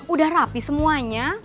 udah rapi semuanya